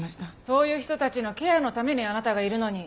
そういう人たちのケアのためにあなたがいるのに。